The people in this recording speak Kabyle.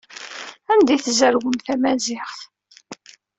Anda ay tzerwem tamaziɣt?